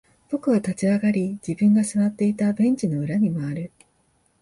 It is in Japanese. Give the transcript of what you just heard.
僕は立ち上がり、自分が座っていたベンチの裏に回る。